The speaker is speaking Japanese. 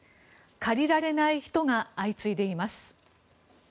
借りられない人が相次いでいます。